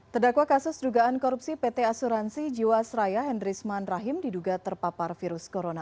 terdakwa kasus dugaan korupsi pt asuransi jiwasraya hendrisman rahim diduga terpapar virus corona